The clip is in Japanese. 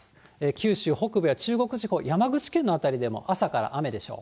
九州北部や中国地方、山口県の辺りでも、朝から雨でしょう。